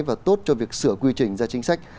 và tốt cho việc sửa quy trình ra chính sách